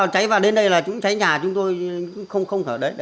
cháy vào đến đây là chúng cháy nhà chúng tôi không thở